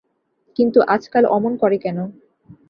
কিন্তু আজকাল অমন করে কেন।